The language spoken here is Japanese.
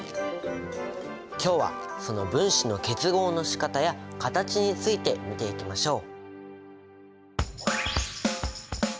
今日はその分子の結合のしかたや形について見ていきましょう。